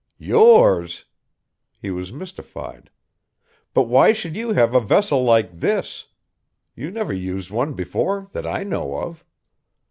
"Yours?" He was mystified. "But why should you have a vessel like this? You never used one before that I know of."